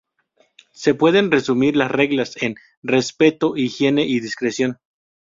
Se pueden resumir las reglas en: respeto, higiene y discreción.